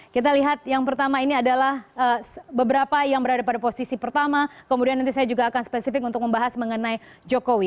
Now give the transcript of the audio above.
kita lihat yang pertama ini adalah beberapa yang berada pada posisi pertama kemudian nanti saya juga akan spesifik untuk membahas mengenai jokowi